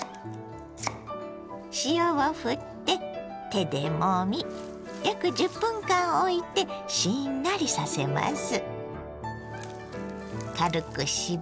塩をふって手でもみ約１０分間おいてしんなりさせます。